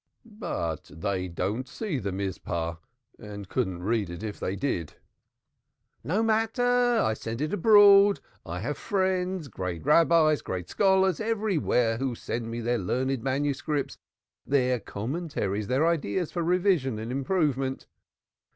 "But they don't see the Mizpeh and couldn't read it if they did." "No matter. I send it abroad I have friends, great Rabbis, great scholars, everywhere, who send me their learned manuscripts, their commentaries, their ideas, for revision and improvement.